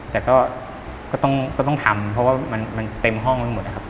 แต่ก็ต้องทำเพราะว่ามันเต็มห้องไปหมดนะครับ